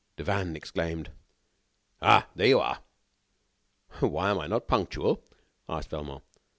Devanne exclaimed: "Ah! here you are!" "Why, am I not punctual?" asked Velmont.